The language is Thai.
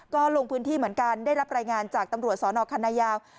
ก็ลงพื้นที่เหมือนกันได้รับรายงานจากตำรวจสนคณะยาว